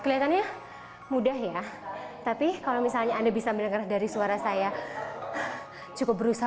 kelihatannya mudah ya tapi misalkan anda bisa mendengarkan dari suara saya cukup berusaha